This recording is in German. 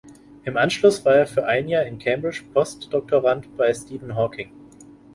Im Anschluss war er für ein Jahr in Cambridge Post-Doktorand bei Stephen Hawking.